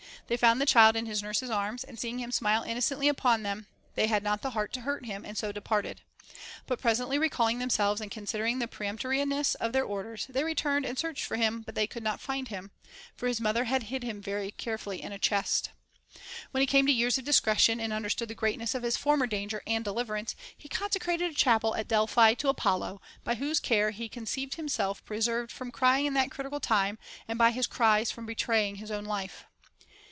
They found the child in his nurse's arms, and seeing him smile innocently upon them, they had not the heart to hurt him, and so departed ; but presently recalling themselves and consider ing the peremptoriness of their orders, they returned and searched for him, but could not find him, for his mother had hid him very carefully in a chest.* When he came to years of discretion, and understood the greatness of his former danger and deliverance, he consecrated a chapel at Delphi to Apollo, by whose care he conceived himself pre served from crying in that critical time, and by his cries from betraying his own life.